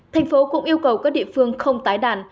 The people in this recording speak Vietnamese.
thành phố cũng yêu cầu các địa phương không tái đàn